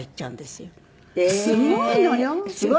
すごいのよ。